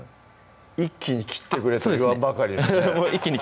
一気に切ってくれと言わんばかりにね